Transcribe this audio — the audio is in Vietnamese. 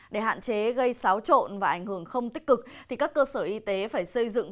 để hạn chế gây xáo trộn và ảnh hưởng không tích cực thì các cơ sở y tế phải xây dựng